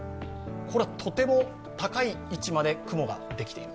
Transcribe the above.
これはとても高い位置まで雲ができている。